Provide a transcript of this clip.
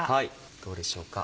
どうでしょうか？